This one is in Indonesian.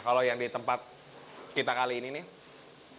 kalau yang di tempat kita kali ini nih